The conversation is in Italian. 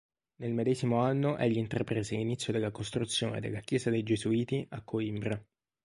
Nel medesimo anno egli intraprese l'inizio della costruzione della chiesa dei gesuiti a Coimbra.